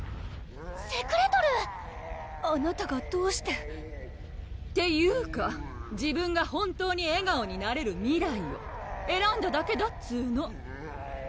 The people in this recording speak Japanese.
セクレトルー⁉あなたがどうして？っていうか自分が本当に笑顔になれる未来をえらんだだけだっつーの！